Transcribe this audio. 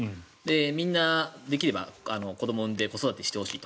みんな、できれば子どもを産んで子育てしてほしいと。